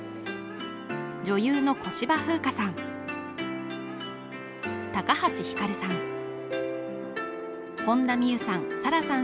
女優の小芝風花さん